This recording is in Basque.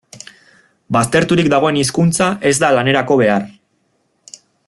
Bazterturik dagoen hizkuntza ez da lanerako behar.